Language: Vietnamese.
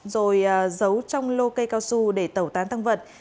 rồi giấu trong lô cây cao su để tẩu tán tăng vật